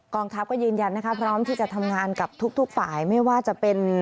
องทัพก็ยืนยันนะคะพร้อมที่จะทำงานกับทุกฝ่ายไม่ว่าจะเป็น